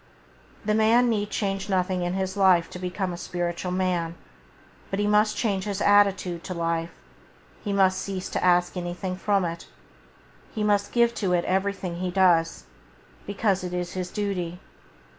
The man need [Page 10] change nothing in his life to become a spiritual man, but he must change his attitude to life; he must cease to ask anything from it; he must give to it everything he does, because it is his duty.